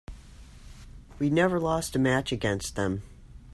We never lost a match against them.